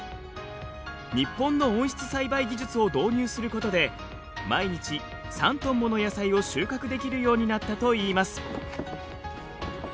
日本の温室栽培技術を導入することで毎日３トンもの野菜を収穫できるようになったといいます。